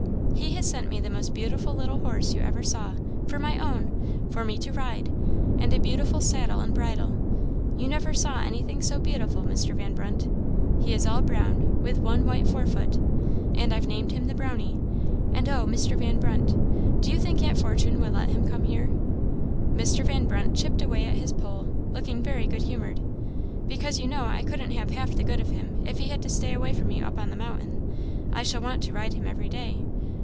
"He has sent me the most beautiful little horse you ever saw! for my own for me to ride; and a beautiful saddle and bridle; you never saw anything so beautiful, Mr. Van Brunt; he is all brown, with one white fore foot, and I've named him the 'Brownie;' and oh, Mr. Van Brunt! Do you think Aunt Fortune will let him come here?" Mr. Van Brunt chipped away at his pole, looking very good humoured. "Because you know I couldn't have half the good of him if he had to stay away from me up on the mountain. I shall want to ride him every day.